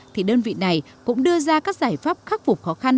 thì đơn vị này cũng đưa ra các giải pháp khắc phục khó khăn